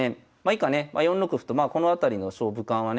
以下ね４六歩とまあこの辺りの勝負感はね